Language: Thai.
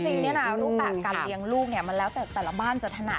จริงเนี่ยนะรูปแบบการเลี้ยงลูกเนี่ยมันแล้วแต่แต่ละบ้านจะถนัด